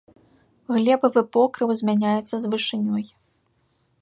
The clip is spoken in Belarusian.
Глебавы покрыў змяняецца з вышынёй.